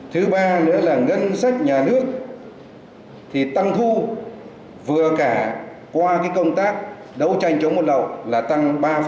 thứ ba nữa là ngân sách nhà nước thì tăng thu vừa cả qua công tác đấu tranh chống buôn lậu là tăng ba